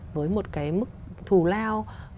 với một cái mức thù lao